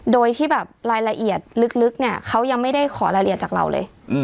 โดยที่แบบรายละเอียดลึกเนี่ยเขายังไม่ได้ขอรายละเอียดจากเราเลย